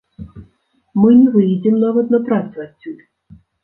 Мы не выедзем нават на працу адсюль.